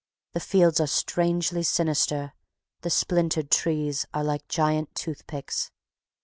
The fields are strangely sinister; the splintered trees are like giant toothpicks.